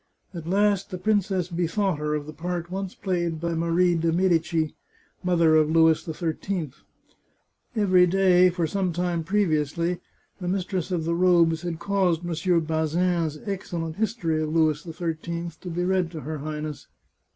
At last the princess bethought her of the part once played by Marie de Medicis, mother of Louis XIII. Every day, for some time previously, the mistress of the robes had caused Mons. Bazin's excellent History of Louis XIII to be read to her Highness.